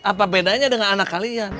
apa bedanya dengan anak kalian